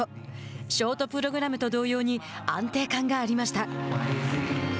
ショートプログラムと同様に安定感がありました。